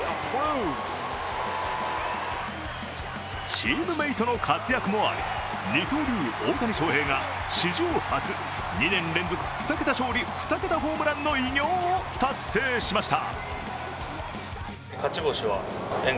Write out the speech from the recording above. チームメイトの活躍もあり、二刀流・大谷翔平が史上初２年連続２桁勝利、２桁ホームランの偉業を達成しました。